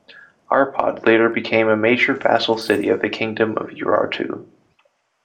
Arpad later became a major vassal city of the Kingdom of Urartu.